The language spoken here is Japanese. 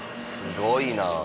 すごいな。